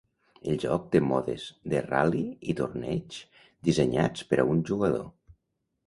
El joc té modes de ral·li i torneig dissenyats per a un jugador.